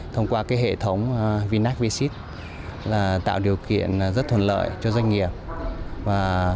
thông qua hệ thống vinacvisit tạo điều kiện rất thuận lợi cho doanh nghiệp